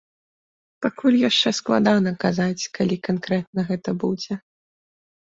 Пакуль яшчэ складана казаць, калі канкрэтна гэта будзе.